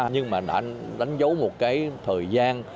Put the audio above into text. nhưng mà đã đánh dấu một cái thời gian